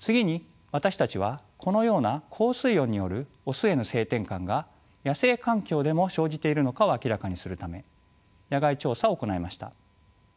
次に私たちはこのような高水温によるオスへの性転換が野生環境でも生じているのかを明らかにするため野外調査を行いました。